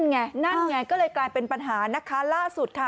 นั่นไงก็เลยกลายเป็นปัญหานักค้าล่าสุดค่ะ